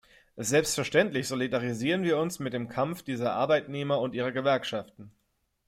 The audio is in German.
Selbstverständlich solidarisieren wir uns mit dem Kampf dieser Arbeitnehmer und ihrer Gewerkschaften.